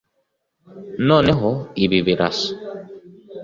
noneho ibi birasa